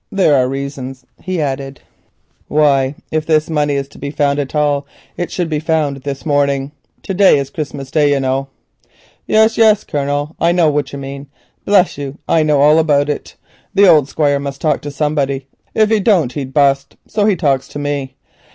There are reasons," he added, "why, if this money is to be found at all, it should be found this morning. To day is Christmas Day, you know." "Yes, yes, Colonel; I knows what you mean. Bless you, I know all about it; the old Squire must talk to somebody; if he don't he'd bust, so he talks to me.